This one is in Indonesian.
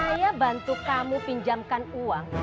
ayah bantu kamu pinjamkan uang